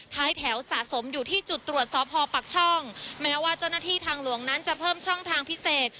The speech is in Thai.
ท้ายแถวสะสมอยู่ที่จุดตรวจสอบพอปักช่องแม้ว่าเจ้าหน้าที่ทางหลวงนั้นจะเพิ่มช่องทางพิเศษ